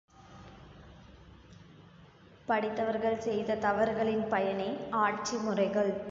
படித்தவர்கள் செய்த தவறுகளின் பயனே ஆட்சிமுறைகள்.